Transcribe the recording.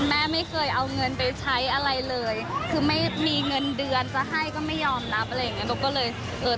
แม่ไม่เคยเอาเงินไปใช้อะไรเลยคือไม่มีเงินเดือนจะให้ก็ไม่ยอมรับอะไรอย่างเงี้หนูก็เลยเออ